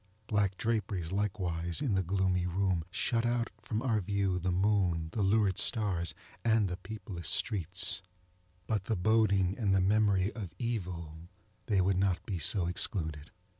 Black draperies, likewise, in the gloomy room, shut out from our view the moon, the lurid stars, and the peopleless streetsŌĆöbut the boding and the memory of Evil, they would not be so excluded.